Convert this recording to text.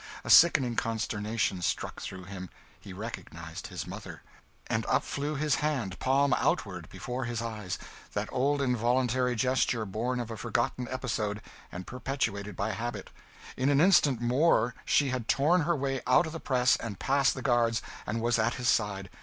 A sickening consternation struck through him; he recognised his mother! and up flew his hand, palm outward, before his eyes that old involuntary gesture, born of a forgotten episode, and perpetuated by habit. In an instant more she had torn her way out of the press, and past the guards, and was at his side.